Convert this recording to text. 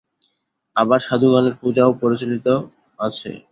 আবার সাধুগণের পূজাও প্রচলিত আছে।